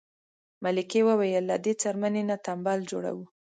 ملکې وویل له دې څرمنې نه تمبل جوړوو.